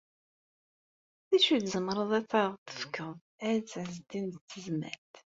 D acu i tzemreḍ ad ɣ-d-tefkeḍ a Ɛezdin n Tezmalt?